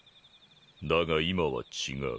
だが今は違う。